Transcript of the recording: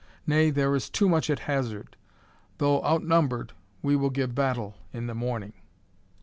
Nay, there is too much at hazard! Though outnumbered we will give battle in the morning."